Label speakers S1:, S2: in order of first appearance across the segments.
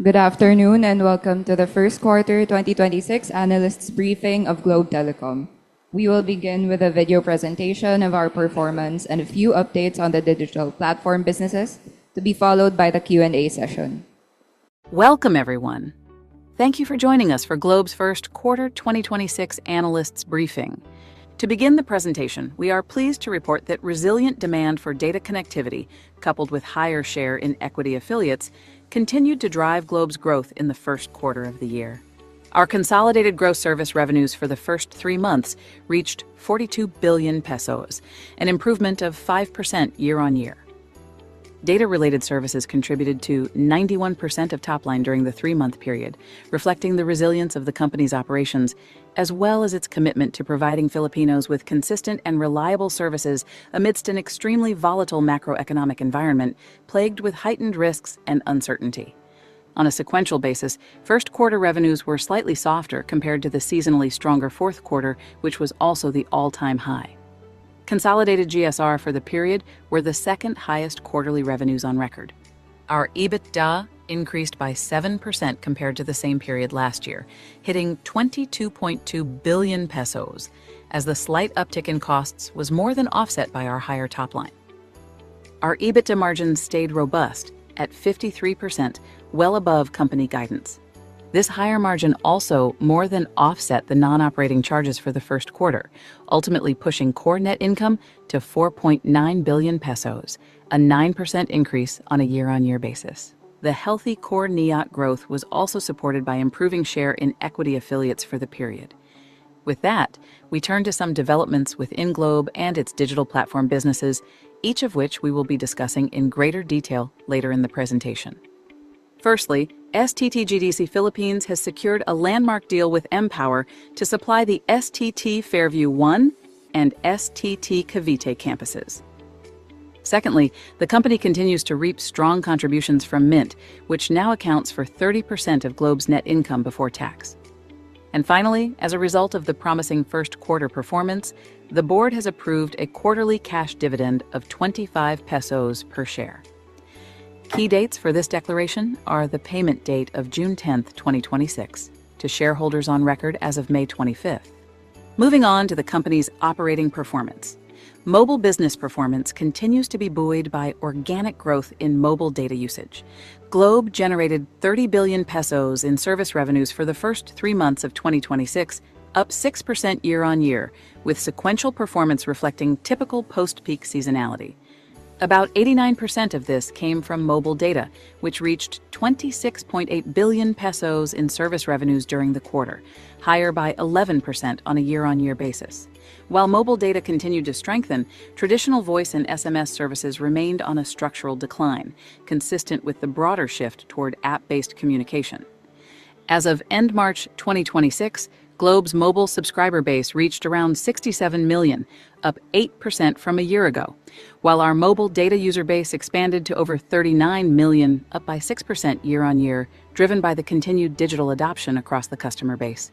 S1: Good afternoon, welcome to the first quarter 2026 analysts briefing of Globe Telecom. We will begin with a video presentation of our performance and a few updates on the digital platform businesses, to be followed by the Q&A session.
S2: Welcome, everyone. Thank you for joining us for Globe's first quarter 2026 analysts briefing. To begin the presentation, we are pleased to report that resilient demand for data connectivity, coupled with higher share in equity affiliates, continued to drive Globe's growth in the first quarter of the year. Our consolidated gross service revenues for the first three months reached 42 billion pesos, an improvement of 5% year-on-year. Data-related services contributed to 91% of top line during the three-month period, reflecting the resilience of the company's operations, as well as its commitment to providing Filipinos with consistent and reliable services amidst an extremely volatile macroeconomic environment plagued with heightened risks and uncertainty. On a sequential basis, first quarter revenues were slightly softer compared to the seasonally stronger fourth quarter, which was also the all-time high. Consolidated GSR for the period were the second highest quarterly revenues on record. Our EBITDA increased by 7% compared to the same period last year, hitting 22.2 billion pesos, as the slight uptick in costs was more than offset by our higher top line. Our EBITDA margins stayed robust at 53%, well above company guidance. This higher margin also more than offset the non-operating charges for the first quarter, ultimately pushing core net income to 4.9 billion pesos, a 9% increase on a year-on-year basis. The healthy core NIAT growth was also supported by improving share in equity affiliates for the period. With that, we turn to some developments within Globe and its digital platform businesses, each of which we will be discussing in greater detail later in the presentation. Firstly, STT GDC Philippines has secured a landmark deal with MPower to supply the STT Fairview 1 and STT Cavite campuses. Secondly, the company continues to reap strong contributions from Mynt, which now accounts for 30% of Globe's net income before tax. Finally, as a result of the promising first quarter performance, the board has approved a quarterly cash dividend of 25 pesos per share. Key dates for this declaration are the payment date of June 10th, 2026 to shareholders on record as of May 25th. Moving on to the company's operating performance. Mobile business performance continues to be buoyed by organic growth in mobile data usage. Globe generated 30 billion pesos in service revenues for the first three months of 2026, up 6% year-on-year, with sequential performance reflecting typical post-peak seasonality. About 89% of this came from mobile data, which reached 26.8 billion pesos in service revenues during the quarter, higher by 11% on a year-on-year basis. While mobile data continued to strengthen, traditional voice and SMS services remained on a structural decline, consistent with the broader shift toward app-based communication. As of end March 2026, Globe's mobile subscriber base reached around 67 million, up 8% from a year ago. Our mobile data user base expanded to over 39 million, up by 6% year-on-year, driven by the continued digital adoption across the customer base.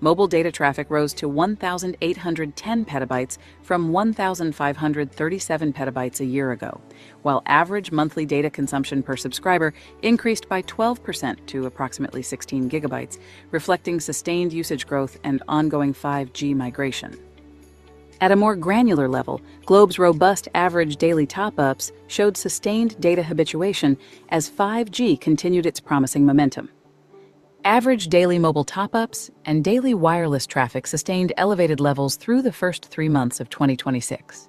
S2: Mobile data traffic rose to 1,810 petabytes from 1,537 petabytes a year ago, while average monthly data consumption per subscriber increased by 12% to approximately 16 gigabytes, reflecting sustained usage growth and ongoing 5G migration. At a more granular level, Globe's robust average daily top-ups showed sustained data habituation as 5G continued its promising momentum. Average daily mobile top-ups and daily wireless traffic sustained elevated levels through the first three months of 2026.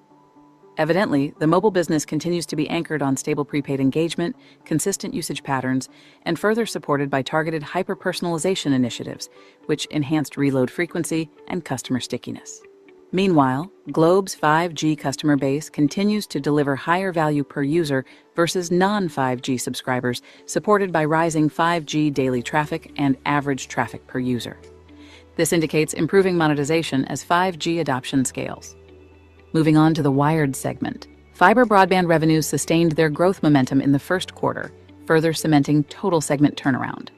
S2: Evidently, the mobile business continues to be anchored on stable prepaid engagement, consistent usage patterns, and further supported by targeted hyper-personalization initiatives, which enhanced reload frequency and customer stickiness. Meanwhile, Globe's 5G customer base continues to deliver higher value per user versus non-5G subscribers, supported by rising 5G daily traffic and average traffic per user. This indicates improving monetization as 5G adoption scales. Moving on to the wired segment. Fiber broadband revenues sustained their growth momentum in the first quarter, further cementing total segment turnaround.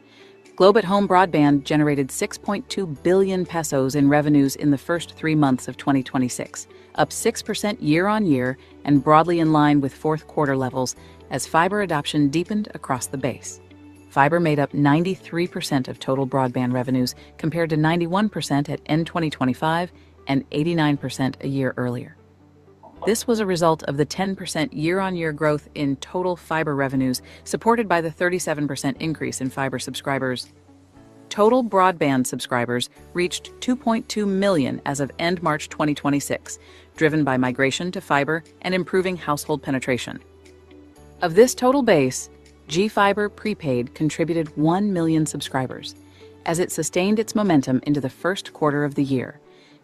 S2: Globe at Home broadband generated 6.2 billion pesos in revenues in the first three months of 2026, up 6% year-on-year and broadly in line with fourth quarter levels as fiber adoption deepened across the base. Fiber made up 93% of total broadband revenues, compared to 91% at end 2025 and 89% a year earlier. This was a result of the 10% year-on-year growth in total fiber revenues, supported by the 37% increase in fiber subscribers. Total broadband subscribers reached 2.2 million as of end March 2026, driven by migration to fiber and improving household penetration. Of this total base, GFiber Prepaid contributed 1 million subscribers as it sustained its momentum into the first quarter of the year,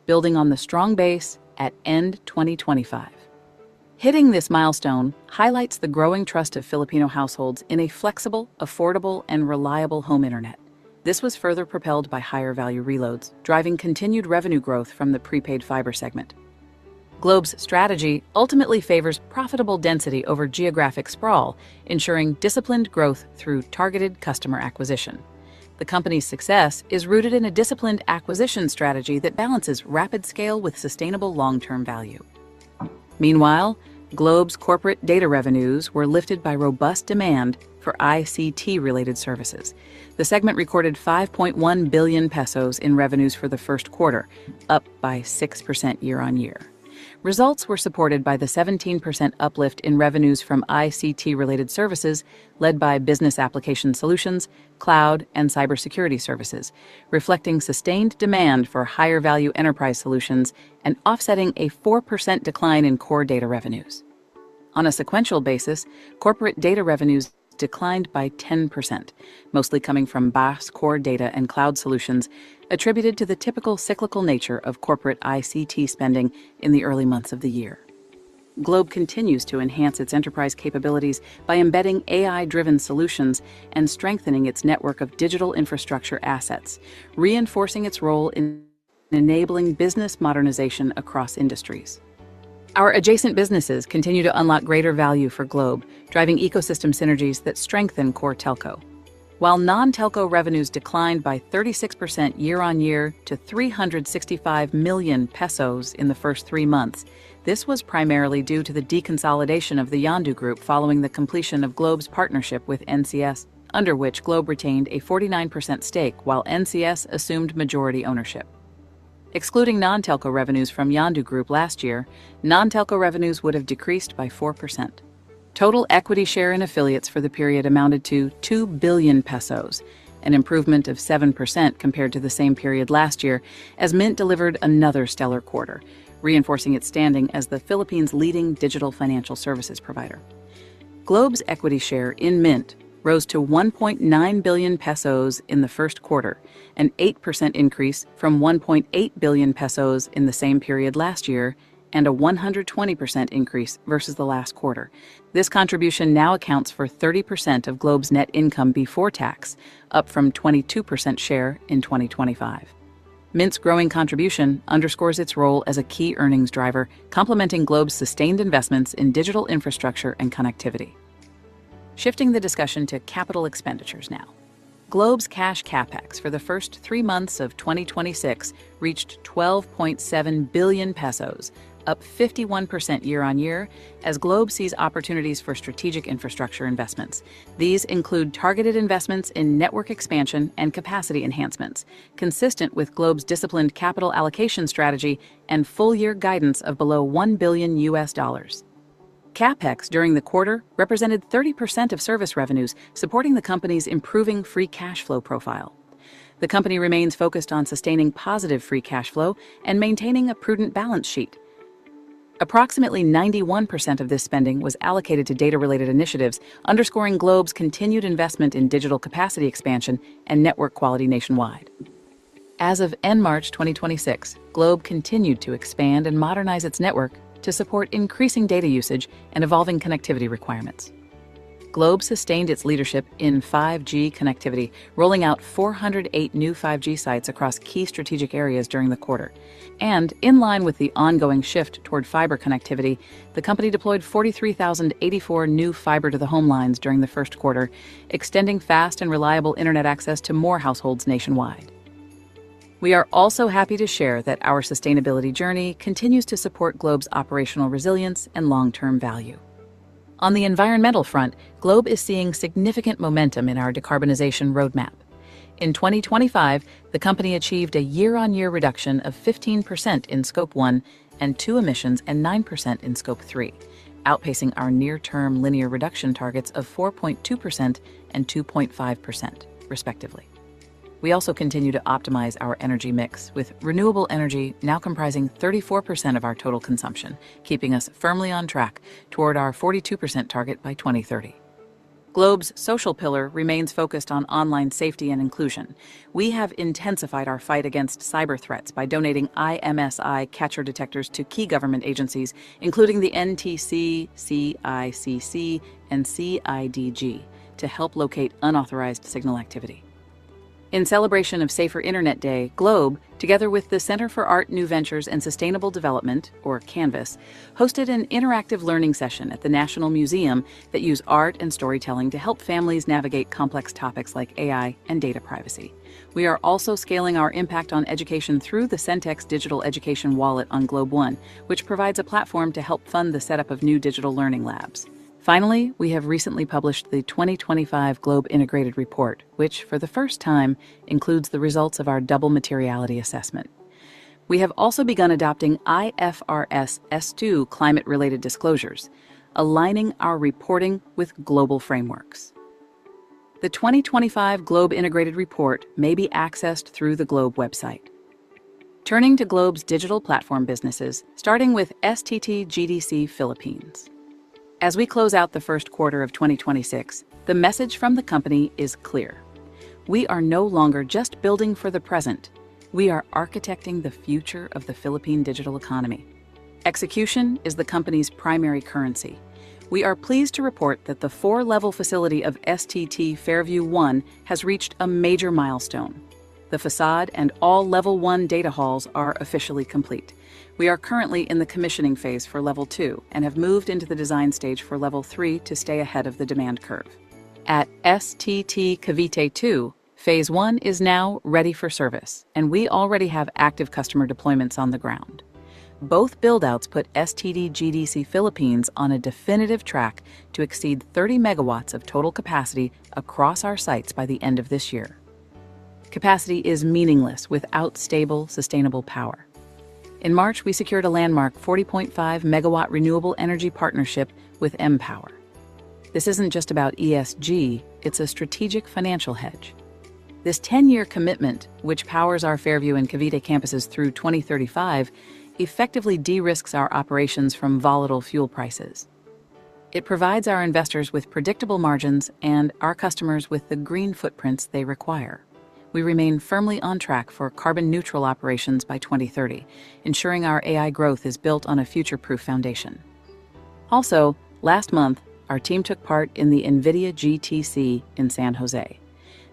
S2: building on the strong base at end 2025. Hitting this milestone highlights the growing trust of Filipino households in a flexible, affordable, and reliable home Internet. This was further propelled by higher value reloads, driving continued revenue growth from the prepaid fiber segment. Globe's strategy ultimately favors profitable density over geographic sprawl, ensuring disciplined growth through targeted customer acquisition. The company's success is rooted in a disciplined acquisition strategy that balances rapid scale with sustainable long-term value. Meanwhile, Globe's corporate data revenues were lifted by robust demand for ICT-related services. The segment recorded 5.1 billion pesos in revenues for the first quarter, up by 6% year-on-year. Results were supported by the 17% uplift in revenues from ICT-related services led by business application solutions, cloud, and cybersecurity services, reflecting sustained demand for higher-value enterprise solutions and offsetting a 4% decline in core data revenues. On a sequential basis, corporate data revenues declined by 10%, mostly coming from BAS core data and cloud solutions attributed to the typical cyclical nature of corporate ICT spending in the early months of the year. Globe continues to enhance its enterprise capabilities by embedding AI-driven solutions and strengthening its network of digital infrastructure assets, reinforcing its role in enabling business modernization across industries. Our adjacent businesses continue to unlock greater value for Globe, driving ecosystem synergies that strengthen core telco. While non-telco revenues declined by 36% year-on-year to 365 million pesos in the first three months, this was primarily due to the deconsolidation of the Yondu Group following the completion of Globe's partnership with NCS, under which Globe retained a 49% stake while NCS assumed majority ownership. Excluding non-telco revenues from Yondu Group last year, non-telco revenues would have decreased by 4%. Total equity share in affiliates for the period amounted to 2 billion pesos, an improvement of 7% compared to the same period last year as Mynt delivered another stellar quarter, reinforcing its standing as the Philippines' leading digital financial services provider. Globe's equity share in Mynt rose to 1.9 billion pesos in the first quarter, an 8% increase from 1.8 billion pesos in the same period last year and a 120% increase versus the last quarter. This contribution now accounts for 30% of Globe's net income before tax, up from 22% share in 2025. Mynt's growing contribution underscores its role as a key earnings driver, complementing Globe's sustained investments in digital infrastructure and connectivity. Shifting the discussion to capital expenditures now. Globe's cash CapEx for the first three months of 2026 reached 12.7 billion pesos, up 51% year-over-year as Globe sees opportunities for strategic infrastructure investments. These include targeted investments in network expansion and capacity enhancements consistent with Globe's disciplined capital allocation strategy and full-year guidance of below $1 billion. CapEx during the quarter represented 30% of service revenues supporting the company's improving free cash flow profile. The company remains focused on sustaining positive free cash flow and maintaining a prudent balance sheet. Approximately 91% of this spending was allocated to data-related initiatives, underscoring Globe's continued investment in digital capacity expansion and network quality nationwide. As of end March 2026, Globe continued to expand and modernize its network to support increasing data usage and evolving connectivity requirements. Globe sustained its leadership in 5G connectivity, rolling out 408 new 5G sites across key strategic areas during the quarter. In line with the ongoing shift toward fiber connectivity, the company deployed 43,084 new fiber to the home lines during the first quarter, extending fast and reliable Internet access to more households nationwide. We are also happy to share that our sustainability journey continues to support Globe's operational resilience and long-term value. On the environmental front, Globe is seeing significant momentum in our decarbonization roadmap. In 2025, the company achieved a year-on-year reduction of 15% in Scope one and two emissions and 9% in Scope three, outpacing our near-term linear reduction targets of 4.2% and 2.5% respectively. We also continue to optimize our energy mix with renewable energy now comprising 34% of our total consumption, keeping us firmly on track toward our 42% target by 2030. Globe's social pillar remains focused on online safety and inclusion. We have intensified our fight against cyber threats by donating IMSI catcher detectors to key government agencies, including the NTC, CICC, and CIDG, to help locate unauthorized signal activity. In celebration of Safer Internet Day, Globe, together with the Center for Art, New Ventures and Sustainable Development, or CANVAS, hosted an interactive learning session at the National Museum that use art and storytelling to help families navigate complex topics like AI and data privacy. We are also scaling our impact on education through the CENTEX Digital Education Wallet on GlobeOne, which provides a platform to help fund the setup of new digital learning labs. Finally, we have recently published the 2025 Globe Integrated Report, which for the first time includes the results of our double materiality assessment. We have also begun adopting IFRS S2 climate-related disclosures, aligning our reporting with global frameworks. The 2025 Globe Integrated Report may be accessed through the Globe website. Turning to Globe's digital platform businesses, starting with STT GDC Philippines. As we close out the first quarter of 2026, the message from the company is clear: We are no longer just building for the present, we are architecting the future of the Philippine digital economy. Execution is the company's primary currency. We are pleased to report that the four-level facility of STT Fairview One has reached a major milestone. The facade and all level one data halls are officially complete. We are currently in the commissioning phase for level two and have moved into the design stage for level three to stay ahead of the demand curve. At STT Cavite 2, phase one is now ready for service, and we already have active customer deployments on the ground. Both build-outs put STT GDC Philippines on a definitive track to exceed 30 megawatts of total capacity across our sites by the end of this year. Capacity is meaningless without stable, sustainable power. In March, we secured a landmark 40.5-megawatt renewable energy partnership with MPower. This isn't just about ESG, it's a strategic financial hedge. This 10-year commitment, which powers our Fairview and Cavite campuses through 2035, effectively de-risks our operations from volatile fuel prices. It provides our investors with predictable margins and our customers with the green footprints they require. We remain firmly on track for carbon neutral operations by 2030, ensuring our AI growth is built on a future-proof foundation. Last month, our team took part in the NVIDIA GTC in San Jose.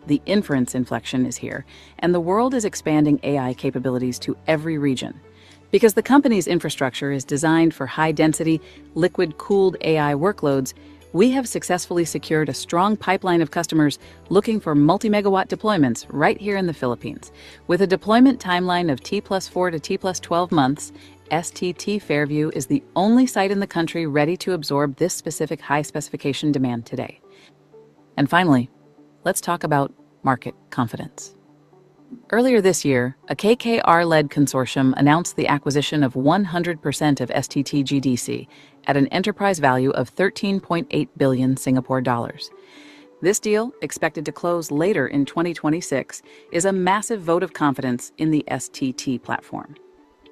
S2: The inference inflection is here, and the world is expanding AI capabilities to every region. Because the company's infrastructure is designed for high-density liquid-cooled AI workloads, we have successfully secured a strong pipeline of customers looking for multi-megawatt deployments right here in the Philippines. With a deployment timeline of T+4 to T+12 months, STT Fairview is the only site in the country ready to absorb this specific high-specification demand today. Finally, let's talk about market confidence. Earlier this year, a KKR-led consortium announced the acquisition of 100% of STT GDC at an enterprise value of 13.8 billion Singapore dollars. This deal, expected to close later in 2026, is a massive vote of confidence in the STT platform.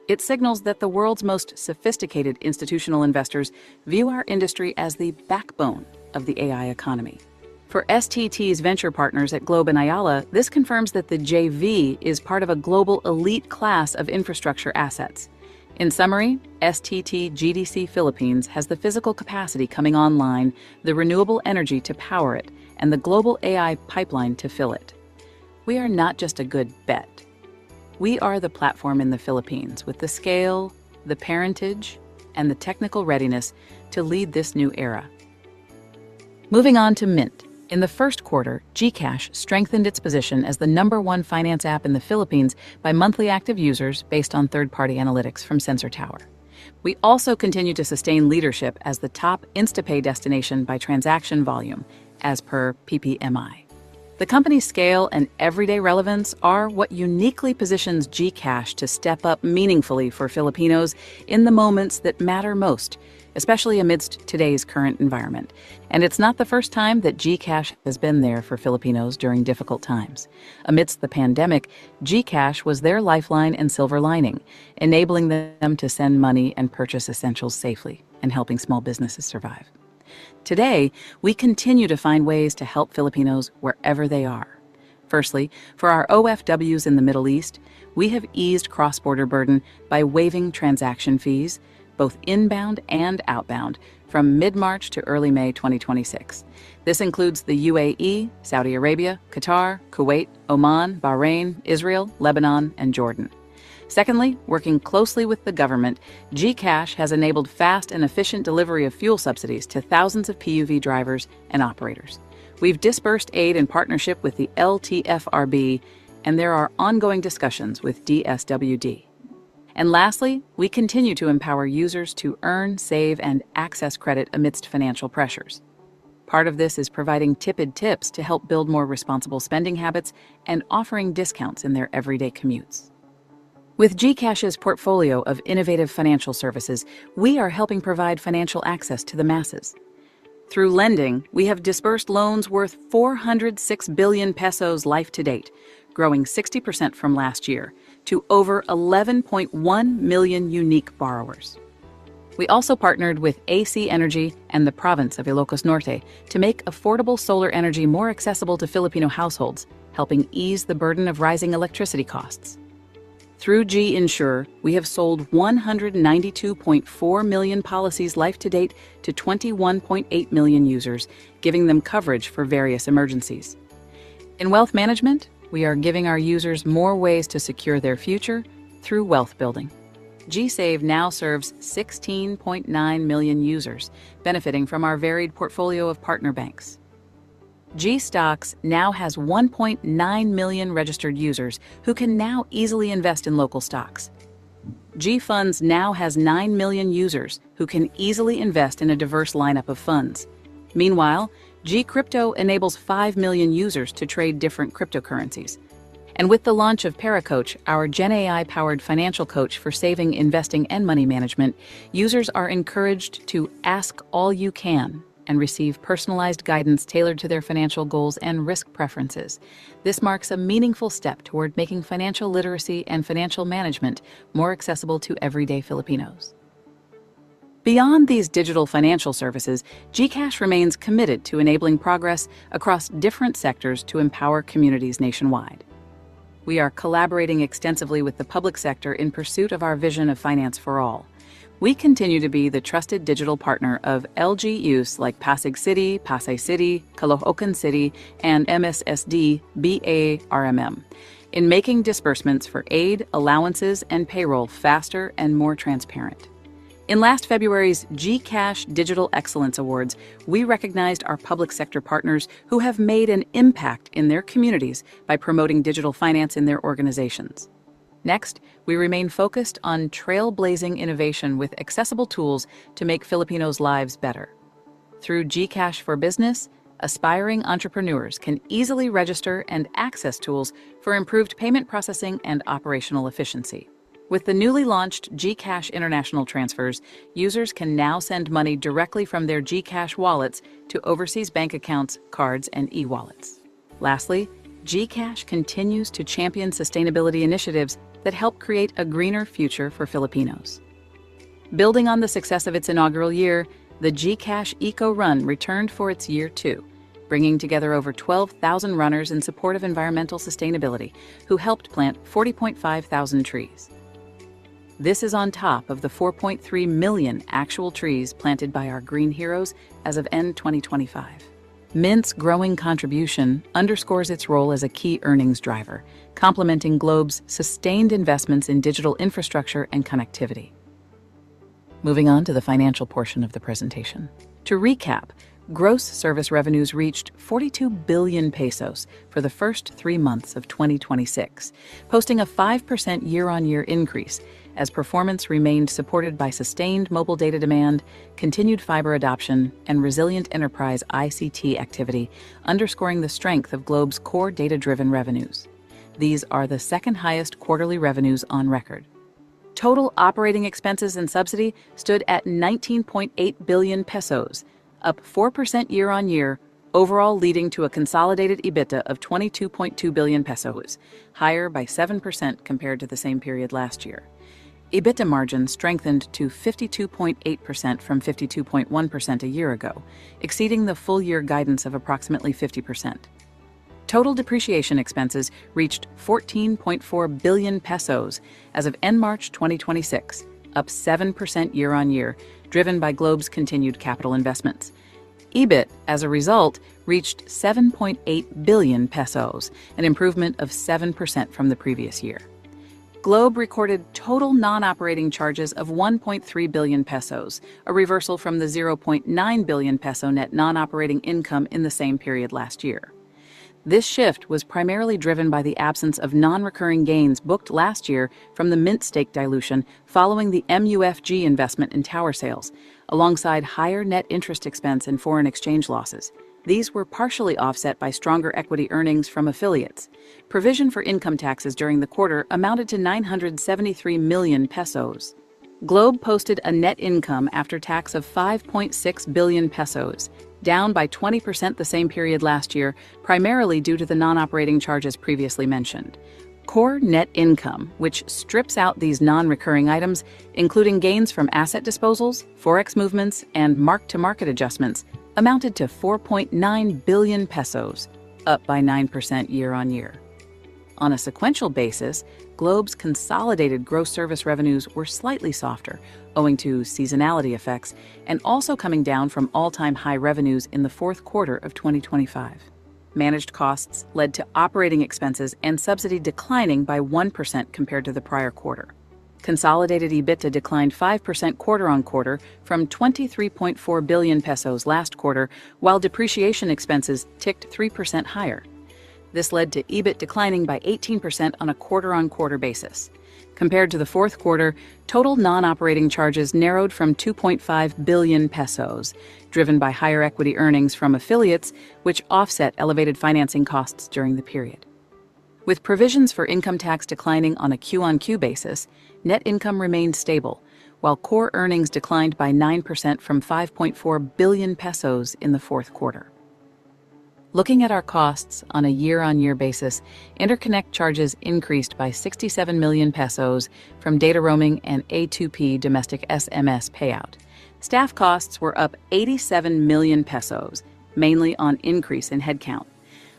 S2: It signals that the world's most sophisticated institutional investors view our industry as the backbone of the AI economy. For STT's venture partners at Globe and Ayala, this confirms that the JV is part of a global elite class of infrastructure assets. In summary, STT GDC Philippines has the physical capacity coming online, the renewable energy to power it, and the global AI pipeline to fill it. We are not just a good bet. We are the platform in the Philippines with the scale, the parentage, and the technical readiness to lead this new era. Moving on to Mynt. In the first quarter, GCash strengthened its position as the number one finance app in the Philippines by monthly active users based on third-party analytics from Sensor Tower. We also continue to sustain leadership as the top InstaPay destination by transaction volume as per PPMI. The company's scale and everyday relevance are what uniquely positions GCash to step up meaningfully for Filipinos in the moments that matter most, especially amidst today's current environment. It's not the first time that GCash has been there for Filipinos during difficult times. Amidst the pandemic, GCash was their lifeline and silver lining, enabling them to send money and purchase essentials safely and helping small businesses survive. Today, we continue to find ways to help Filipinos wherever they are. Firstly, for our OFWs in the Middle East, we have eased cross-border burden by waiving transaction fees both inbound and outbound from mid-March to early May 2026. This includes the UAE, Saudi Arabia, Qatar, Kuwait, Oman, Bahrain, Israel, Lebanon, and Jordan. Working closely with the government, GCash has enabled fast and efficient delivery of fuel subsidies to thousands of PUV drivers and operators. We've disbursed aid in partnership with the LTFRB, and there are ongoing discussions with DSWD. Lastly, we continue to empower users to earn, save, and access credit amidst financial pressures. Part of this is providing tipid tips to help build more responsible spending habits and offering discounts in their everyday commutes. With GCash's portfolio of innovative financial services, we are helping provide financial access to the masses. Through lending, we have disbursed loans worth 406 billion pesos life to date, growing 60% from last year to over 11.1 million unique borrowers. We also partnered with AC Energy and the province of Ilocos Norte to make affordable solar energy more accessible to Filipino households, helping ease the burden of rising electricity costs. Through GInsure, we have sold 192.4 million policies life to date to 21.8 million users, giving them coverage for various emergencies. In wealth management, we are giving our users more ways to secure their future through wealth building. GSave now serves 16.9 million users benefiting from our varied portfolio of partner banks. GStocks now has 1.9 million registered users who can now easily invest in local stocks. GFunds now has 9 million users who can easily invest in a diverse lineup of funds. Meanwhile, GCrypto enables 5 million users to trade different cryptocurrencies. With the launch of Pera Coach, our Gen AI-powered financial coach for saving, investing, and money management, users are encouraged to ask all you can and receive personalized guidance tailored to their financial goals and risk preferences. This marks a meaningful step toward making financial literacy and financial management more accessible to everyday Filipinos. Beyond these digital financial services, GCash remains committed to enabling progress across different sectors to empower communities nationwide. We are collaborating extensively with the public sector in pursuit of our vision of finance for all. We continue to be the trusted digital partner of LGUs like Pasig City, Pasay City, Caloocan City, and MSSD BARMM in making disbursements for aid, allowances, and payroll faster and more transparent. In last February's GCash Digital Excellence Awards, we recognized our public sector partners who have made an impact in their communities by promoting digital finance in their organizations. Next, we remain focused on trailblazing innovation with accessible tools to make Filipinos' lives better. Through GCash for Business, aspiring entrepreneurs can easily register and access tools for improved payment processing and operational efficiency. With the newly launched GCash International Transfers, users can now send money directly from their GCash wallets to overseas bank accounts, cards, and e-wallets. Lastly, GCash continues to champion sustainability initiatives that help create a greener future for Filipinos. Building on the success of its inaugural year, the GCash Eco Run returned for its year two, bringing together over 12,000 runners in support of environmental sustainability, who helped plant 40,500 trees. This is on top of the 4.3 million actual trees planted by our green heroes as of end 2025. Mynt's growing contribution underscores its role as a key earnings driver, complementing Globe's sustained investments in digital infrastructure and connectivity. Moving on to the financial portion of the presentation. To recap, gross service revenues reached 42 billion pesos for the first three months of 2026, posting a 5% year-on-year increase as performance remained supported by sustained mobile data demand, continued fiber adoption, and resilient enterprise ICT activity, underscoring the strength of Globe's core data-driven revenues. These are the second highest quarterly revenues on record. Total operating expenses and subsidy stood at 19.8 billion pesos, up 4% year-on-year overall leading to a consolidated EBITDA of 22.2 billion pesos, higher by 7% compared to the same period last year. EBITDA margin strengthened to 52.8% from 52.1% a year ago, exceeding the full year guidance of approximately 50%. Total depreciation expenses reached 14.4 billion pesos as of end March 2026, up 7% year-on-year, driven by Globe's continued capital investments. EBIT, as a result, reached 7.8 billion pesos, an improvement of 7% from the previous year. Globe recorded total non-operating charges of 1.3 billion pesos, a reversal from the 0.9 billion peso net non-operating income in the same period last year. This shift was primarily driven by the absence of non-recurring gains booked last year from the Mynt stake dilution following the MUFG investment in tower sales, alongside higher net interest expense and foreign exchange losses. These were partially offset by stronger equity earnings from affiliates. Provision for income taxes during the quarter amounted to 973 million pesos. Globe posted a net income after tax of 5.6 billion pesos, down by 20% the same period last year, primarily due to the non-operating charges previously mentioned. Core net income, which strips out these non-recurring items, including gains from asset disposals, forex movements, and mark-to-market adjustments, amounted to 4.9 billion pesos, up by 9% year-on-year. On a sequential basis, Globe's consolidated gross service revenues were slightly softer, owing to seasonality effects and also coming down from all-time high revenues in the fourth quarter of 2025. Managed costs led to operating expenses and subsidy declining by 1% compared to the prior quarter. Consolidated EBITDA declined 5% quarter-on-quarter from 23.4 billion pesos last quarter, while depreciation expenses ticked 3% higher. This led to EBIT declining by 18% on a quarter-on-quarter basis. Compared to the fourth quarter, total non-operating charges narrowed from 2.5 billion pesos, driven by higher equity earnings from affiliates which offset elevated financing costs during the period. With provisions for income tax declining on a Q-on-Q basis, net income remained stable, while core earnings declined by 9% from 5.4 billion pesos in the fourth quarter. Looking at our costs on a year-on-year basis, interconnect charges increased by 67 million pesos from data roaming and A2P domestic SMS payout. Staff costs were up 87 million pesos, mainly on increase in headcount.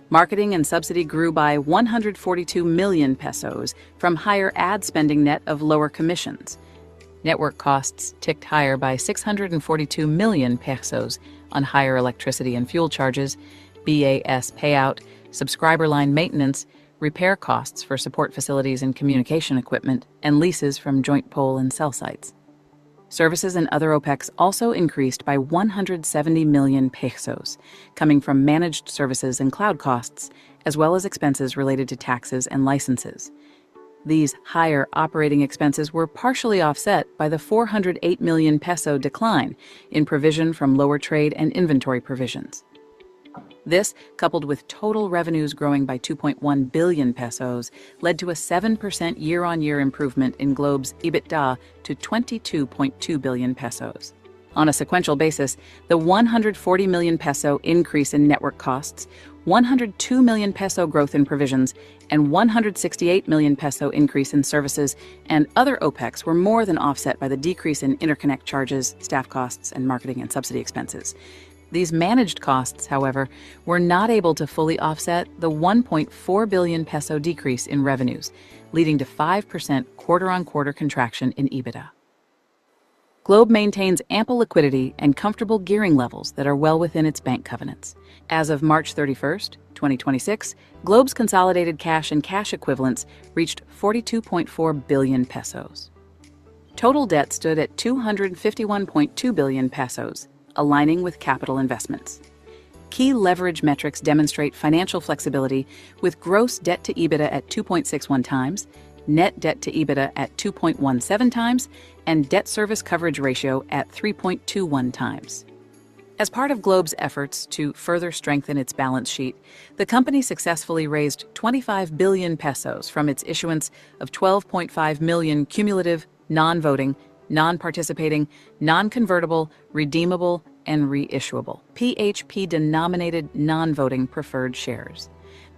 S2: Marketing and subsidy grew by 142 million pesos from higher ad spending net of lower commissions. Network costs ticked higher by 642 million pesos on higher electricity and fuel charges, BAS payout, subscriber line maintenance, repair costs for support facilities and communication equipment, and leases from joint pole and cell sites. Services and other OPEX also increased by 170 million pesos, coming from managed services and cloud costs, as well as expenses related to taxes and licenses. These higher operating expenses were partially offset by the 408 million peso decline in provision from lower trade and inventory provisions. This, coupled with total revenues growing by 2.1 billion pesos, led to a 7% year-on-year improvement in Globe's EBITDA to 22.2 billion pesos. On a sequential basis, the 140 million peso increase in network costs, 102 million peso growth in provisions, and 168 million peso increase in services and other OPEX were more than offset by the decrease in interconnect charges, staff costs, and marketing and subsidy expenses. These managed costs, however, were not able to fully offset the 1.4 billion peso decrease in revenues, leading to 5% quarter-on-quarter contraction in EBITDA. Globe maintains ample liquidity and comfortable gearing levels that are well within its bank covenants. As of March 31st, 2026, Globe's consolidated cash and cash equivalents reached 42.4 billion pesos. Total debt stood at 251.2 billion pesos, aligning with capital investments. Key leverage metrics demonstrate financial flexibility with gross debt to EBITDA at 2.61x, net debt to EBITDA at 2.17x, and debt service coverage ratio at 3.21x. As part of Globe's efforts to further strengthen its balance sheet, the company successfully raised 25 billion pesos from its issuance of 12.5 million cumulative non-voting, non-participating, non-convertible, redeemable, and reissuable PHP-denominated non-voting preferred shares.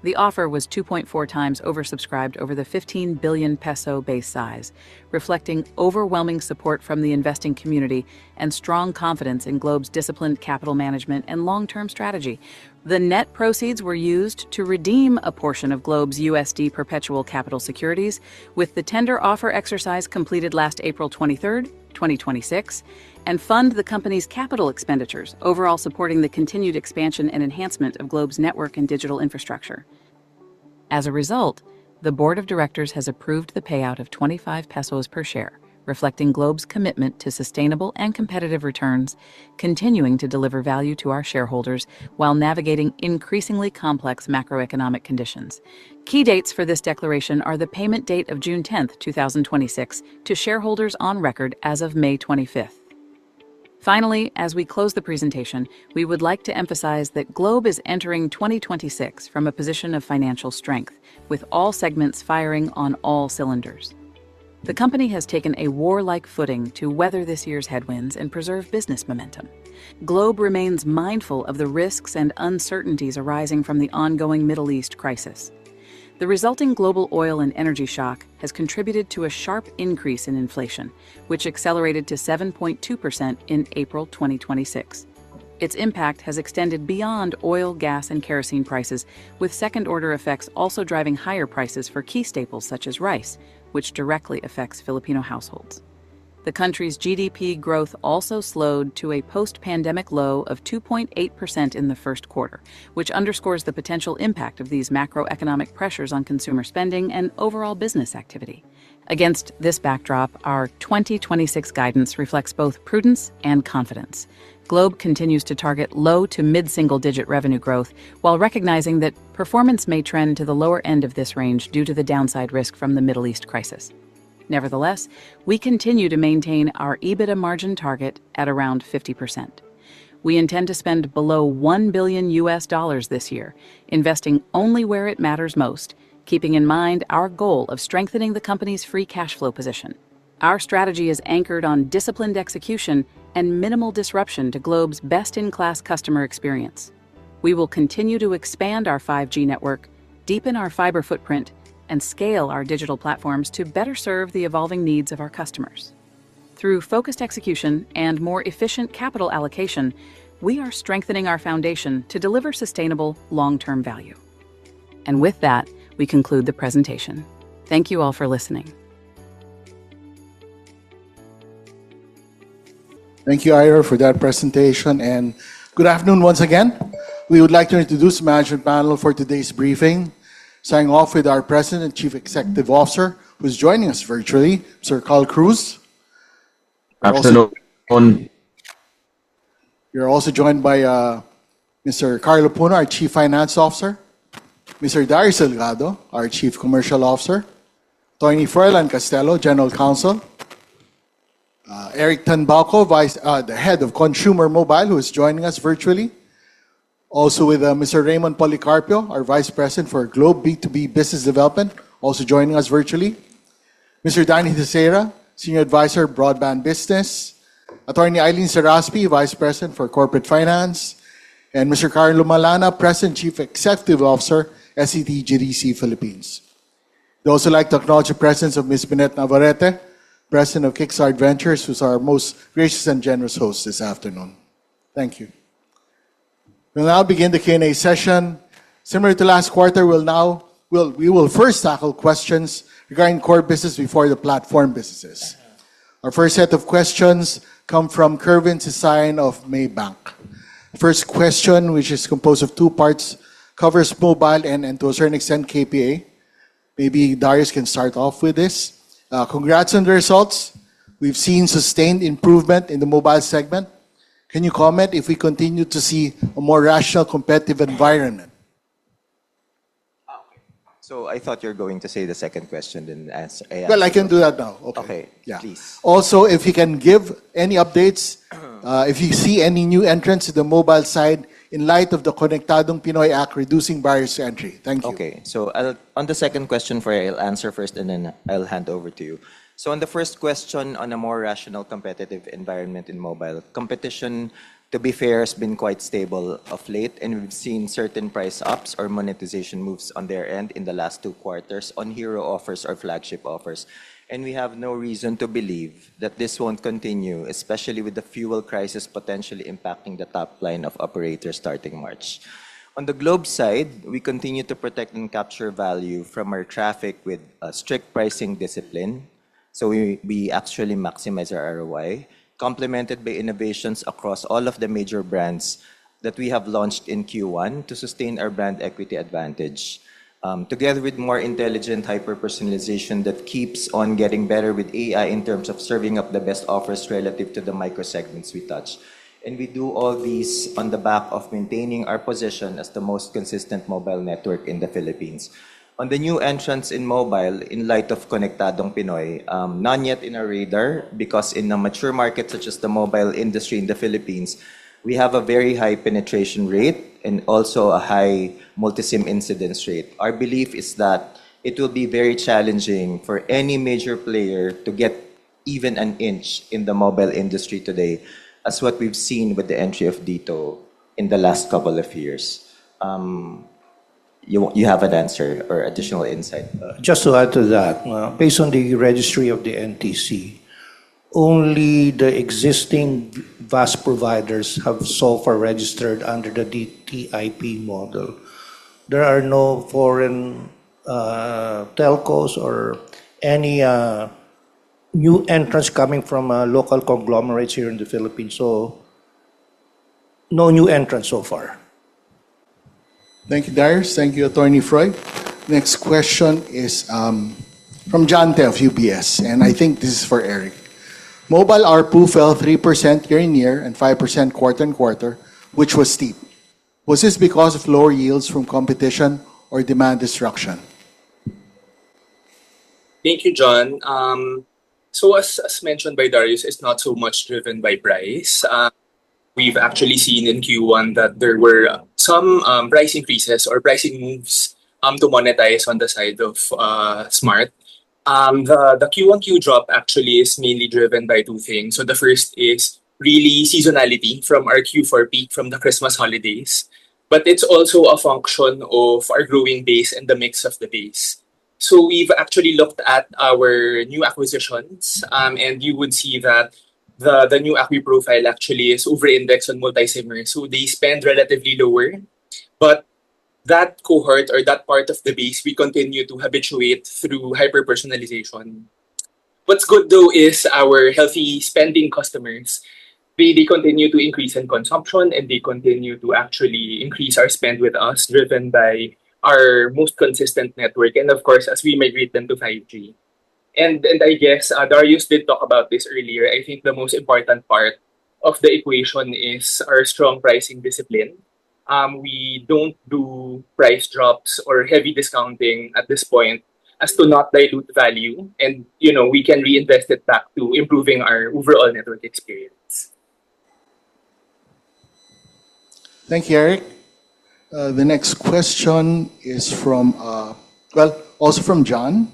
S2: The offer was 2.4x oversubscribed over the 15 billion peso base size, reflecting overwhelming support from the investing community and strong confidence in Globe's disciplined capital management and long-term strategy. The net proceeds were used to redeem a portion of Globe's USD perpetual capital securities, with the tender offer exercise completed last April 23rd, 2026, and fund the company's capital expenditures, overall supporting the continued expansion and enhancement of Globe's network and digital infrastructure. As a result, the board of directors has approved the payout of 25 pesos per share, reflecting Globe's commitment to sustainable and competitive returns, continuing to deliver value to our shareholders while navigating increasingly complex macroeconomic conditions. Key dates for this declaration are the payment date of June 10th, 2026 to shareholders on record as of May 25th. Finally, as we close the presentation, we would like to emphasize that Globe is entering 2026 from a position of financial strength, with all segments firing on all cylinders. The company has taken a warlike footing to weather this year's headwinds and preserve business momentum. Globe remains mindful of the risks and uncertainties arising from the ongoing Middle East crisis. The resulting global oil and energy shock has contributed to a sharp increase in inflation, which accelerated to 7.2% in April 2026. Its impact has extended beyond oil, gas, and kerosene prices, with second order effects also driving higher prices for key staples such as rice, which directly affects Filipino households. The country's GDP growth also slowed to a post-pandemic low of 2.8% in the 1st quarter, which underscores the potential impact of these macroeconomic pressures on consumer spending and overall business activity. Against this backdrop, our 2026 guidance reflects both prudence and confidence. Globe continues to target low to mid-single digit revenue growth while recognizing that performance may trend to the lower end of this range due to the downside risk from the Middle East crisis. Nevertheless, we continue to maintain our EBITDA margin target at around 50%. We intend to spend below $1 billion this year, investing only where it matters most, keeping in mind our goal of strengthening the company's free cash flow position. Our strategy is anchored on disciplined execution and minimal disruption to Globe's best-in-class customer experience. We will continue to expand our 5G network, deepen our fiber footprint, and scale our digital platforms to better serve the evolving needs of our customers. Through focused execution and more efficient capital allocation, we are strengthening our foundation to deliver sustainable long-term value. With that, we conclude the presentation. Thank you all for listening.
S3: Thank you, Aira, for that presentation. Good afternoon once again. We would like to introduce the management panel for today's briefing, starting off with our President and Chief Executive Officer, who's joining us virtually, Sir Carl Cruz.
S4: Absolutely.
S3: We're also joined by Mr. Carlo Puno, our Chief Financial Officer; Mr. Darius Delgado, our Chief Commercial Officer; Attorney Froilan Castelo, General Counsel; Eric Tanbauco, the Head of Consumer Mobile, who is joining us virtually; also with Mr. Raymond Policarpio, our Vice President for Globe B2B Business Development, also joining us virtually; Mr. Danny Theseira, Senior Advisor, Broadband Business; Attorney Aileen Seraspi, Vice President for Corporate Finance; and Mr. Carlo Malana, President and Chief Executive Officer, STT GDC Philippines. We'd also like to acknowledge the presence of Ms. Minette Navarrete, President of Kickstart Ventures, who's our most gracious and generous host this afternoon. Thank you. We'll now begin the Q&A session. Similar to last quarter, we will first tackle questions regarding core business before the platform businesses. Our first set of questions come from Kerwin Casian of Maybank. First question, which is composed of two parts, covers mobile and to a certain extent, KPI. Maybe Darius can start off with this. Congrats on the results. We've seen sustained improvement in the mobile segment. Can you comment if we continue to see a more rational competitive environment?
S5: I thought you're going to say the second question.
S3: Well, I can do that now. Okay.
S5: Okay.
S3: Yeah.
S5: Please.
S3: If you can give any updates, if you see any new entrants to the mobile side in light of the Konektadong Pinoy Act reducing barriers to entry? Thank you.
S5: Okay. On the second question for you, I'll answer first, and then I'll hand over to you. On the first question, on a more rational competitive environment in mobile, competition, to be fair, has been quite stable of late, and we've seen certain price ups or monetization moves on their end in the last two quarters on hero offers or flagship offers. We have no reason to believe that this won't continue, especially with the fuel crisis potentially impacting the top line of operators starting March. On the Globe side, we continue to protect and capture value from our traffic with a strict pricing discipline. We actually maximize our ROI complemented by innovations across all of the major brands that we have launched in Q1 to sustain our brand equity advantage, together with more intelligent hyper-personalization that keeps on getting better with AI in terms of serving up the best offers relative to the micro segments we touch. We do all these on the back of maintaining our position as the most consistent mobile network in the Philippines. On the new entrants in mobile in light of Konektadong Pinoy, none yet in our radar because in a mature market such as the mobile industry in the Philippines, we have a very high penetration rate and also a high multi-SIM incidence rate. Our belief is that it will be very challenging for any major player to get even an inch in the mobile industry today, as what we've seen with the entry of DITO in the last couple of years. You have an answer or additional insight?
S6: Just to add to that. Based on the registry of the NTC, only the existing VAS providers have so far registered under the DTIP model. There are no foreign telcos or any new entrants coming from local conglomerates here in the Philippines, so no new entrants so far.
S3: Thank you, Darius. Thank you, Attorney Froy. Next question is from John Tay of UBS, I think this is for Eric. Mobile ARPU fell 3% year-on-year and 5% quarter-on-quarter, which was steep. Was this because of lower yields from competition or demand destruction?
S7: Thank you, John. As mentioned by Darius, it's not so much driven by price. We've actually seen in Q1 that there were some price increases or pricing moves to monetize on the side of Smart. The QOQ drop actually is mainly driven by two things. The first is really seasonality from our Q4 peak from the Christmas holidays, but it's also a function of our growing base and the mix of the base. We've actually looked at our new acquisitions, and you would see that the new acqui profile actually is over-indexed on multi-SIMmers, so they spend relatively lower. That cohort or that part of the base, we continue to habituate through hyper-personalization. What's good though is our healthy spending customers. They continue to increase in consumption, they continue to actually increase our spend with us driven by our most consistent network and of course, as we migrate them to 5G. I guess, Darius did talk about this earlier, I think the most important part of the equation is our strong pricing discipline. We don't do price drops or heavy discounting at this point as to not dilute value, you know, we can reinvest it back to improving our overall network experience.
S3: Thank you, Eric. The next question is from also from John,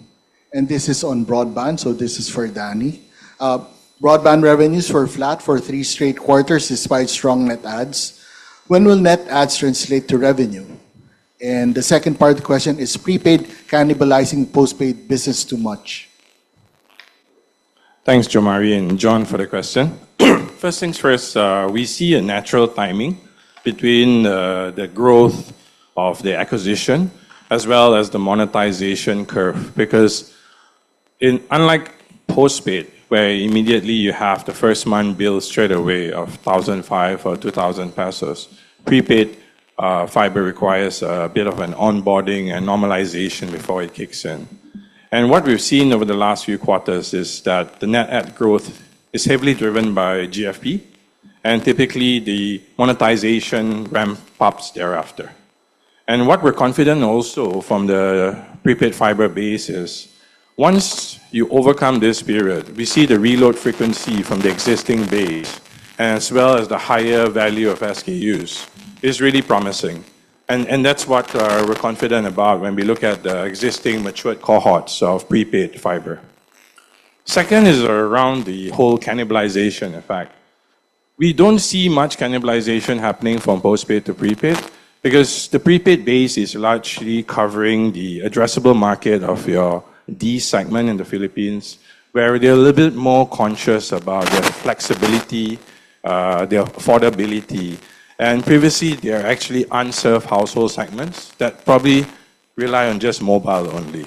S3: and this is on broadband, so this is for Danny. Broadband revenues were flat for three straight quarters despite strong net adds. When will net adds translate to revenue? The second part of the question is prepaid cannibalizing postpaid business too much.
S8: Thanks, John Mari, and John Tay for the question. First things first, we see a natural timing between the growth of the acquisition as well as the monetization curve because unlike postpaid, where immediately you have the first month bill straight away of 1,500 or 2,000 pesos, prepaid fiber requires a bit of an onboarding and normalization before it kicks in. What we've seen over the last few quarters is that the net add growth is heavily driven by GFP, and typically, the monetization ramp-ups thereafter. What we're confident also from the prepaid fiber base is once you overcome this period, we see the reload frequency from the existing base, as well as the higher value of SKUs, is really promising, and that's what we're confident about when we look at the existing matured cohorts of prepaid fiber. Second is around the whole cannibalization effect. We don't see much cannibalization happening from postpaid to prepaid because the prepaid base is largely covering the addressable market of your D segment in the Philippines, where they're a little bit more conscious about their flexibility, their affordability. Previously, they are actually unserved household segments that probably rely on just mobile only.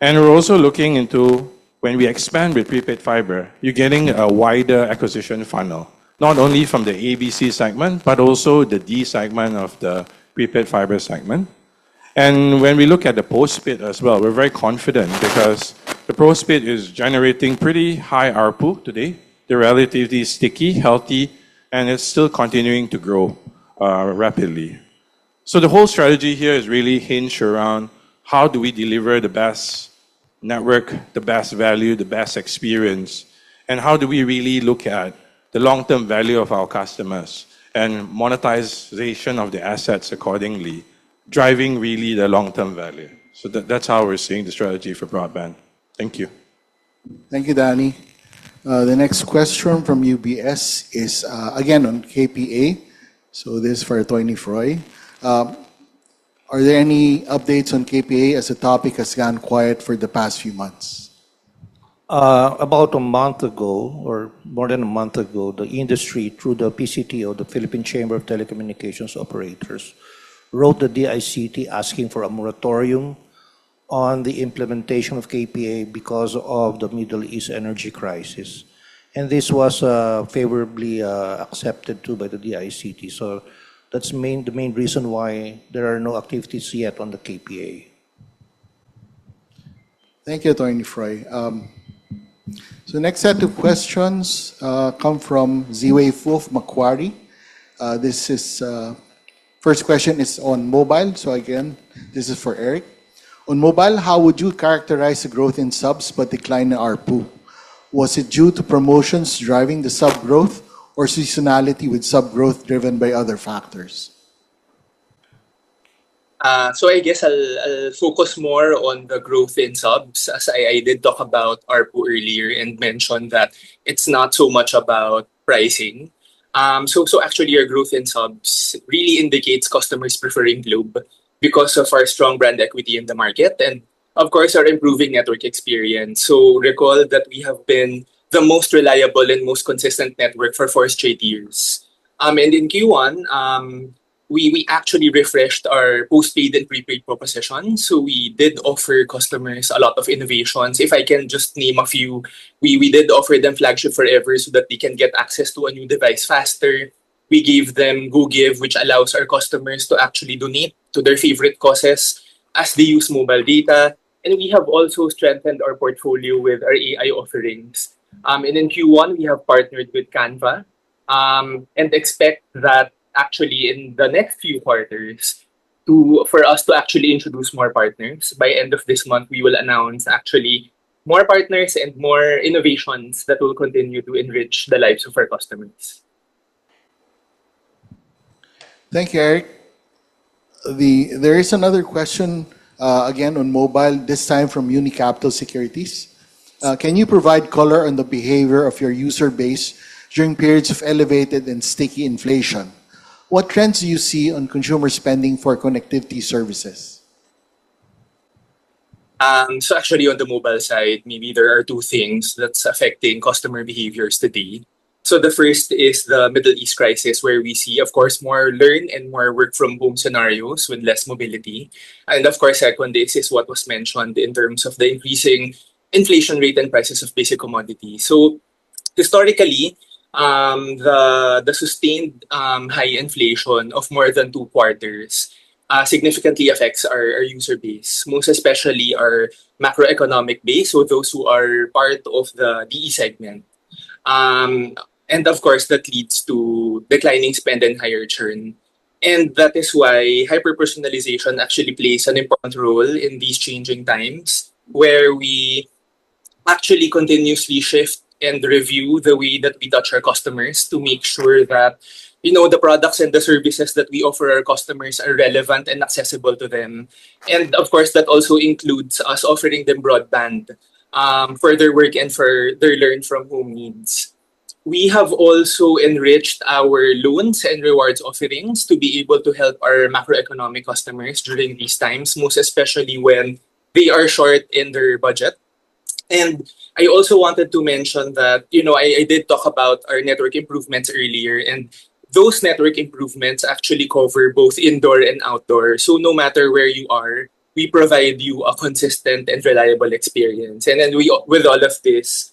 S8: We're also looking into when we expand with prepaid fiber, you're getting a wider acquisition funnel, not only from the ABC segment but also the D segment of the prepaid fiber segment. When we look at the postpaid as well, we're very confident because the postpaid is generating pretty high ARPU today. They're relatively sticky, healthy, and it's still continuing to grow rapidly. The whole strategy here is really hinged around how do we deliver the best network, the best value, the best experience, and how do we really look at the long-term value of our customers and monetization of the assets accordingly, driving really the long-term value. That's how we're seeing the strategy for broadband. Thank you.
S3: Thank you, Danny. The next question from UBS is, again, on KPA, so this is for Attorney Froy. Are there any updates on KPA as the topic has gone quiet for the past few months?
S6: About a month ago, or more than a month ago, the industry, through the PCTO, the Philippine Chamber of Telecommunications Operators, wrote to DICT asking for a moratorium. on the implementation of KPA because of the Middle East energy crisis. This was favorably accepted too by the DICT. That's the main reason why there are no activities yet on the KPA.
S3: Thank you, Attorney Froy. The next set of questions come from Zhiwei Fu of Macquarie. First question is on mobile. Again, this is for Eric. On mobile, how would you characterize the growth in subs but decline in ARPU? Was it due to promotions driving the sub growth or seasonality with sub growth driven by other factors?
S7: I guess I'll focus more on the growth in subs as I did talk about ARPU earlier and mentioned that it's not so much about pricing. Actually our growth in subs really indicates customers preferring Globe because of our strong brand equity in the market and of course our improving network experience. Recall that we have been the most reliable and most consistent network for four straight years. In Q1, we actually refreshed our postpaid and prepaid proposition. We did offer customers a lot of innovations. If I can just name a few, we did offer them Flagship Forever so that they can get access to a new device faster. We gave them GoGIVE, which allows our customers to actually donate to their favorite causes as they use mobile data. We have also strengthened our portfolio with our AI offerings. In Q1, we have partnered with Canva, and expect that actually in the next few quarters for us to actually introduce more partners. By end of this month, we will announce actually more partners and more innovations that will continue to enrich the lives of our customers.
S3: Thank you, Eric. There is another question, again, on mobile, this time from Unicapital Securities. Can you provide color on the behavior of your user base during periods of elevated and sticky inflation? What trends do you see on consumer spending for connectivity services?
S7: Actually on the mobile side, maybe there are two things that's affecting customer behaviors today. The first is the Middle East crisis where we see of course more learn and more work from home scenarios with less mobility. Of course, second, this is what was mentioned in terms of the increasing inflation rate and prices of basic commodities. Historically, the sustained high inflation of more than two quarters significantly affects our user base, most especially our macroeconomic base, so those who are part of the DE segment. Of course, that leads to declining spend and higher churn. That is why hyper-personalization actually plays an important role in these changing times where we actually continuously shift and review the way that we touch our customers to make sure that, you know, the products and the services that we offer our customers are relevant and accessible to them. Of course, that also includes us offering them broadband for their work and for their learn from home needs. We have also enriched our loans and rewards offerings to be able to help our macroeconomic customers during these times, most especially when they are short in their budget. I also wanted to mention that, you know, I did talk about our network improvements earlier, and those network improvements actually cover both indoor and outdoor. No matter where you are, we provide you a consistent and reliable experience. With all of this,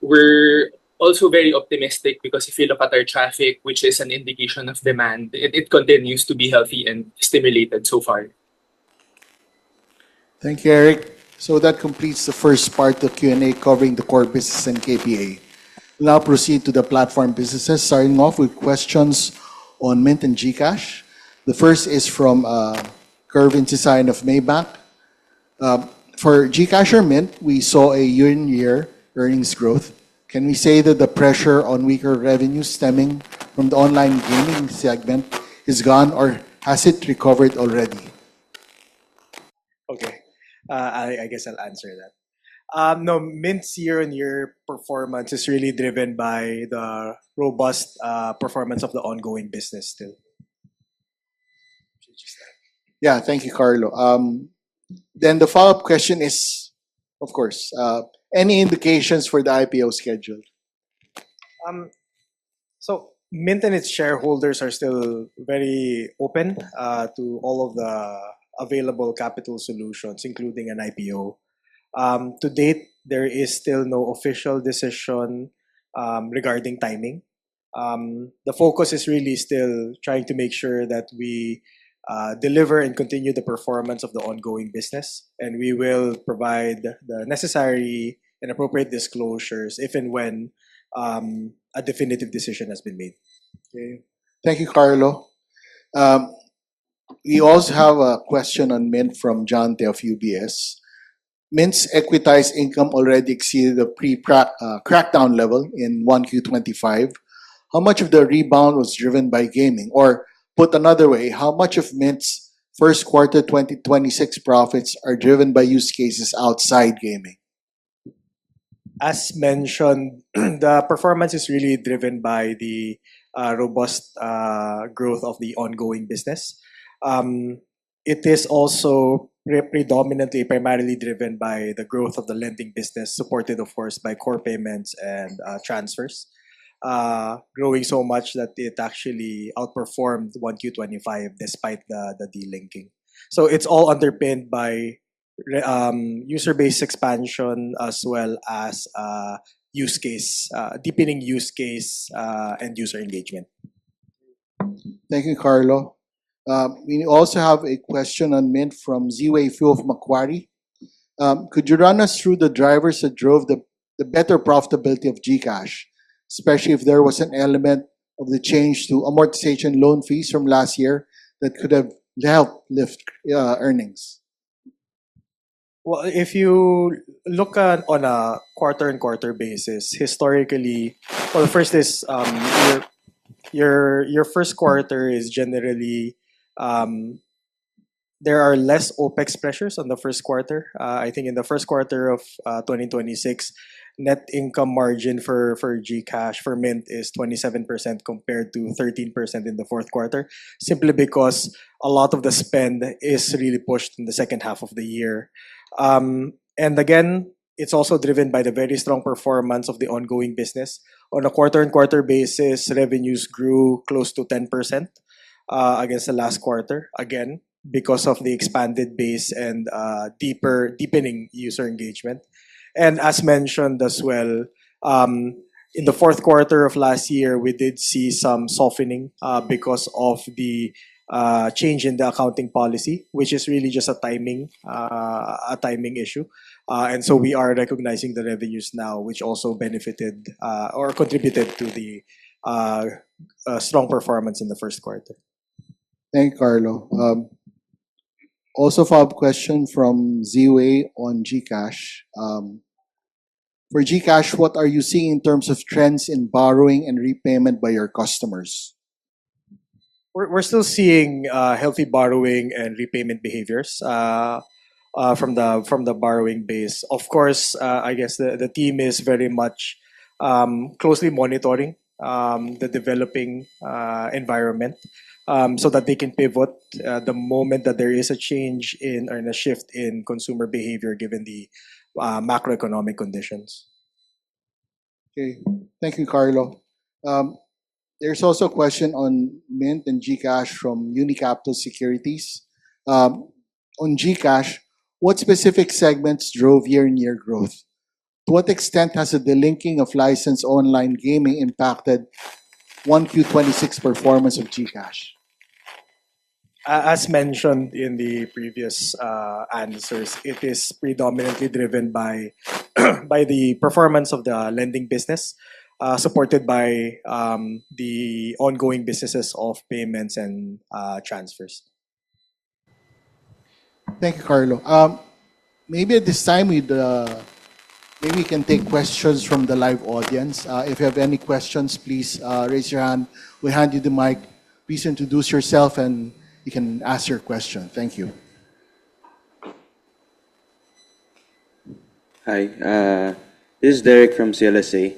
S7: we're also very optimistic because if you look at our traffic, which is an indication of demand, it continues to be healthy and stimulated so far.
S3: Thank you, Eric. That completes the first part of Q&A covering the core business and KPA. We'll now proceed to the platform businesses, starting off with questions on Mynt and GCash. The first is from Kerwin Tesion of Maybank. For GCash or Mynt, we saw a year-on-year earnings growth. Can we say that the pressure on weaker revenue stemming from the online gaming segment is gone or has it recovered already?
S9: I guess I'll answer that. No, Mynt's year-on-year performance is really driven by the robust performance of the ongoing business still.
S3: Yeah. Thank you, Carlo. The follow-up question is, of course, any indications for the IPO schedule?
S9: Mynt and its shareholders are still very open to all of the available capital solutions, including an IPO. To date, there is still no official decision regarding timing. The focus is really still trying to make sure that we deliver and continue the performance of the ongoing business, and we will provide the necessary and appropriate disclosures if and when a definitive decision has been made.
S3: Okay. Thank you, Carlo. We also have a question on Mynt from John Tay of UBS. Mynt's equitized income already exceeded the crackdown level in 1Q 2025. How much of the rebound was driven by gaming? Or put another way, how much of Mynt's first quarter 2026 profits are driven by use cases outside gaming?
S9: As mentioned, the performance is really driven by the robust growth of the ongoing business. It is also primarily driven by the growth of the lending business, supported of course by core payments and transfers, growing so much that it actually outperformed 1Q 2025 despite the delinking. It's all underpinned by user base expansion as well as use case deepening and user engagement.
S3: Thank you, Carlo. We also have a question on Mynt from Ziwei Fu of Macquarie. Could you run us through the drivers that drove the better profitability of GCash, especially if there was an element of the change to amortization loan fees from last year that could have helped lift earnings?
S9: Well, if you look at on a quarter-on-quarter basis, historically. Well, first is, your first quarter is generally, there are less OPEX pressures on the first quarter. I think in the first quarter of 2026, net income margin for GCash for Mynt is 27% compared to 13% in the fourth quarter, simply because a lot of the spend is really pushed in the second half of the year. Again, it's also driven by the very strong performance of the ongoing business. On a quarter-on-quarter basis, revenues grew close to 10% against the last quarter, again, because of the expanded base and deeper, deepening user engagement. As mentioned as well, in the fourth quarter of last year, we did see some softening because of the change in the accounting policy, which is really just a timing issue. We are recognizing the revenues now, which also benefited or contributed to the strong performance in the first quarter.
S3: Thank you, Carlo. Follow-up question from Ziwei on GCash. For GCash, what are you seeing in terms of trends in borrowing and repayment by your customers?
S9: We're still seeing healthy borrowing and repayment behaviors from the borrowing base. Of course, I guess the team is very much closely monitoring the developing environment so that they can pivot the moment that there is a change in or in a shift in consumer behavior given the macroeconomic conditions.
S3: Okay. Thank you, Carlo. There's also a question on Mynt and GCash from Unicapital Securities. On GCash, what specific segments drove year-over-year growth? To what extent has the delinking of licensed online gaming impacted 1Q 2026 performance of GCash?
S9: As mentioned in the previous answers, it is predominantly driven by the performance of the lending business, supported by the ongoing businesses of payments and transfers.
S3: Thank you, Carlo. Maybe at this time, we can take questions from the live audience. If you have any questions, please raise your hand. We hand you the mic. Please introduce yourself. You can ask your question. Thank you.
S10: Hi. This is Derrick from CLSA.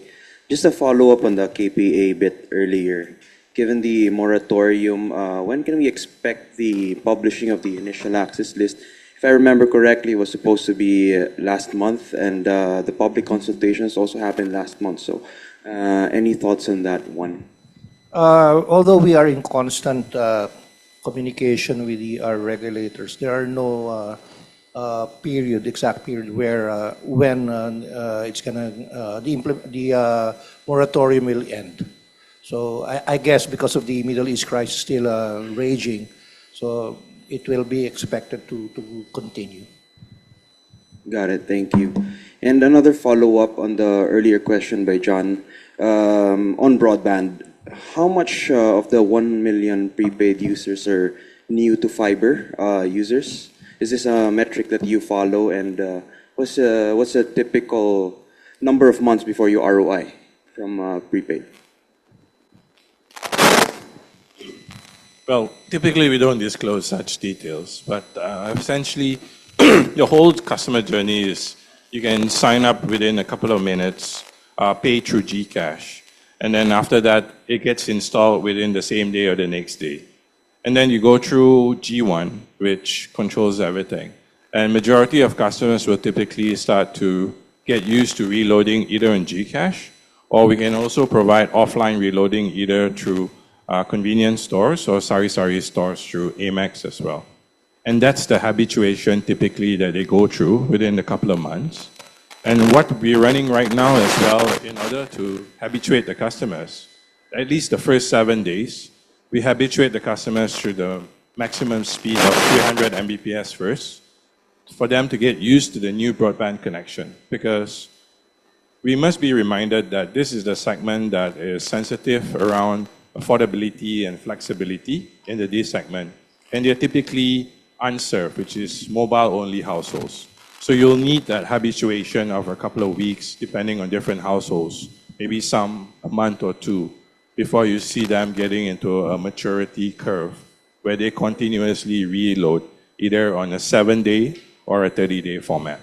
S10: Just a follow-up on the KPA bit earlier. Given the moratorium, when can we expect the publishing of the initial access list? If I remember correctly, it was supposed to be last month. The public consultations also happened last month. Any thoughts on that one?
S6: Although we are in constant communication with our regulators, there are no period, exact period where when it's gonna the moratorium will end. I guess because of the Middle East crisis still raging, it will be expected to continue.
S10: Got it. Thank you. Another follow-up on the earlier question by John. On broadband, how much of the 1 million prepaid users are new to fiber users? Is this a metric that you follow? What's a typical number of months before you ROI from prepaid?
S8: Well, typically, we don't disclose such details, but essentially, your whole customer journey is you can sign up within a couple of minutes, pay through GCash, and then after that, it gets installed within the same day or the next day. You go through G1, which controls everything. Majority of customers will typically start to get used to reloading either in GCash, or we can also provide offline reloading either through convenience stores or sari-sari stores through AMAX as well. That's the habituation typically that they go through within a couple of months. What we're running right now as well in order to habituate the customers, at least the first seven days, we habituate the customers through the maximum speed of 300 Mbps first for them to get used to the new broadband connection. We must be reminded that this is the segment that is sensitive around affordability and flexibility in the D segment, and they're typically unserved, which is mobile-only households. You'll need that habituation of a couple of weeks, depending on different households, maybe some a month or two, before you see them getting into a maturity curve where they continuously reload either on a seven-day or a 30-day format.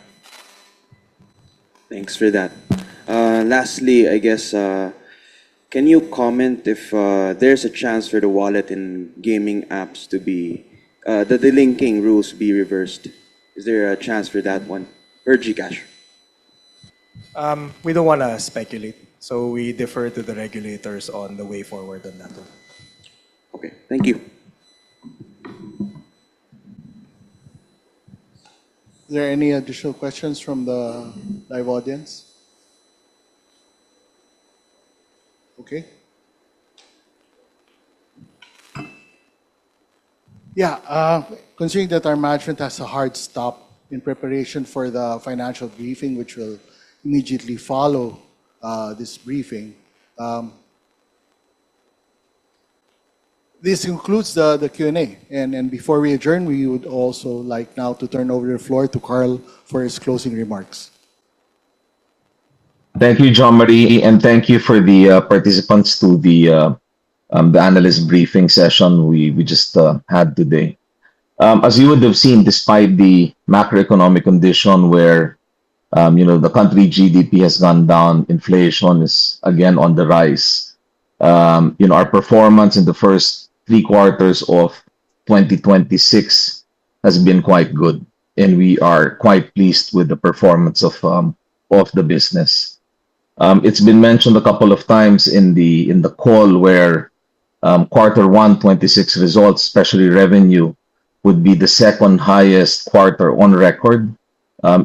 S10: Thanks for that. Lastly, I guess, can you comment if there's a chance for the wallet and gaming apps to be the delinking rules be reversed? Is there a chance for that one for GCash?
S9: We don't wanna speculate, so we defer to the regulators on the way forward on that one.
S10: Okay. Thank you.
S3: Is there any additional questions from the live audience? Okay. Yeah, considering that our management has a hard stop in preparation for the financial briefing, which will immediately follow this briefing, this concludes the Q&A. Before we adjourn, we would also like now to turn over the floor to Carl for his closing remarks.
S4: Thank you, John Mari, and thank you for the participants to the analyst briefing session we just had today. As you would have seen, despite the macroeconomic condition where, you know, the country GDP has gone down, inflation is again on the rise, you know, our performance in the first three quarters of 2026 has been quite good, and we are quite pleased with the performance of the business. It's been mentioned a couple of times in the call where quarter one 2026 results, especially revenue, would be the second highest quarter on record,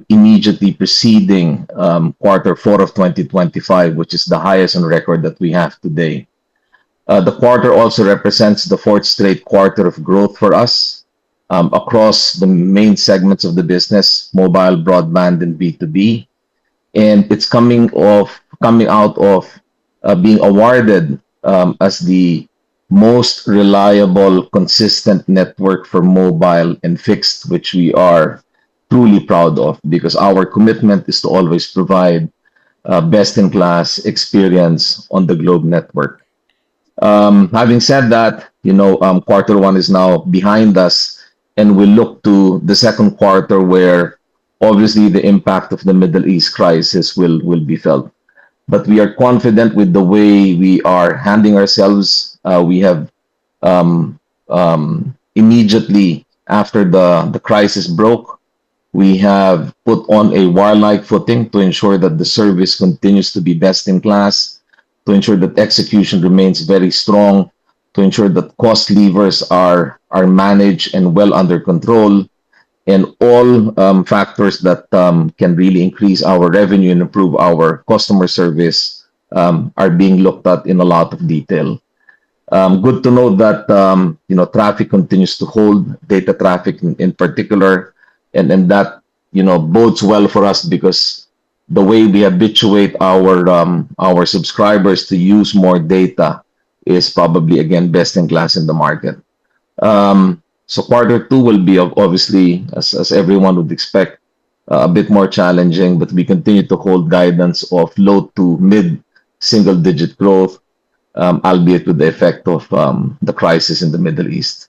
S4: immediately preceding quarter four of 2025, which is the highest on record that we have today. The quarter also represents the fourth straight quarter of growth for us, across the main segments of the business, mobile, broadband, and B2B. It's coming out of, being awarded, as the most reliable, consistent network for mobile and fixed, which we are truly proud of because our commitment is to always provide best-in-class experience on the Globe network. Having said that, you know, quarter one is now behind us, and we look to the second quarter where obviously the impact of the Middle East crisis will be felt. We are confident with the way we are handing ourselves. We have, immediately after the crisis broke, we have put on a war-like footing to ensure that the service continues to be best in class, to ensure that execution remains very strong, to ensure that cost levers are managed and well under control. All factors that can really increase our revenue and improve our customer service are being looked at in a lot of detail. Good to know that, you know, traffic continues to hold data traffic in particular. That, you know, bodes well for us because the way we habituate our subscribers to use more data is probably again best in class in the market. Quarter two will be obviously, as everyone would expect, a bit more challenging, but we continue to hold guidance of low to mid-single digit growth, albeit with the effect of the crisis in the Middle East.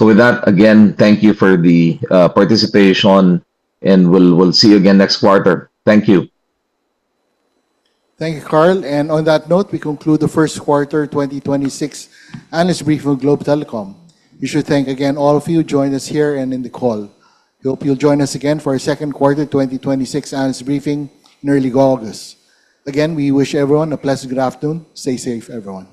S4: With that, again, thank you for the participation and we'll see you again next quarter. Thank you.
S3: Thank you, Carl. On that note, we conclude the first quarter 2026 analyst briefing with Globe Telecom. We should thank again all of you who joined us here and in the call. We hope you'll join us again for our 2nd quarter 2026 analyst briefing in early August. Again, we wish everyone a pleasant good afternoon. Stay safe, everyone.